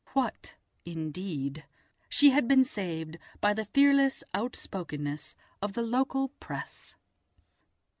What indeed! She had been saved by the fearless outspokenness of the local Press.